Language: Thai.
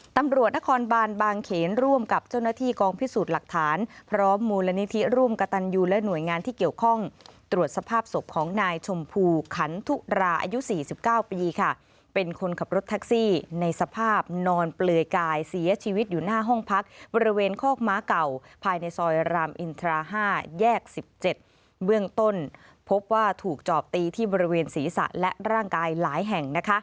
ตำรวจนครบานบางเขนร่วมกับเจ้าหน้าที่กองพิสูจน์หลักฐานพร้อมมูลนิธิร่วมกระตันยูและหน่วยงานที่เกี่ยวข้องตรวจสภาพศพของนายชมพูขันทุราอายุ๔๙ปีค่ะเป็นคนขับรถแท็กซี่ในสภาพนอนเปลือยกายเสียชีวิตอยู่หน้าห้องพักบริเวณคอกม้าเก่าภายในซอยรามอินทรา๕แยก๑๗เบื้องต้นพบว่าถูกจอบตีที่บริเวณศีรษะและร่างกายหลายแห่ง